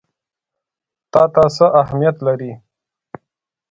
تا ته څه اهمیت لري؟